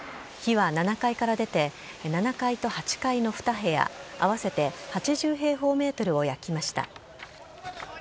火は７階から出て、７階と８階の２部屋、合わせて８０平方メートルを焼きました。